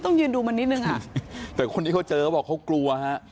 ต้องยืนดูมันนิดนึงอ่ะตึดห้วนที่ก็เจอว่าเค้ากลัวฮะ